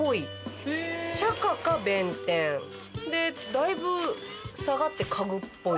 だいぶ下がってかぐっぽい。